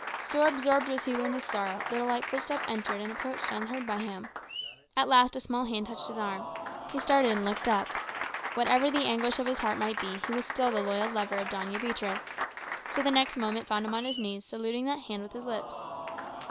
So absorbed was he in his sorrow, that a light footstep entered and approached unheard by him. At last a small hand touched his arm. He started and looked up. Whatever his anguish of heart might be, he was still the loyal lover of Doña Beatriz. So the next moment found him on his knees saluting that hand with his lips.